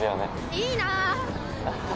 いいな。